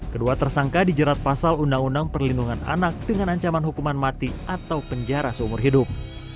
kedua tersangka dijerat pasal undang undang perlindungan anak dengan ancaman hukuman mati atau penjara seumur hidup